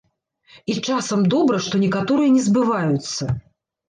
І часам добра, што некаторыя не збываюцца.